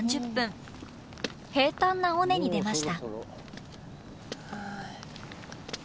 平たんな尾根に出ました。